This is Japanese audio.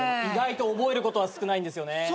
意外と覚えることは少ないんですよね。